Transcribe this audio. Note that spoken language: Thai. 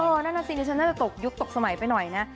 นั่นน่ะสิดิฉันน่าจะตกยุคตกสมัยไปหน่อยนะ